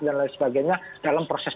dan lain sebagainya dalam proses